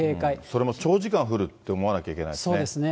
それも長時間降るって思わなきゃいけないですね。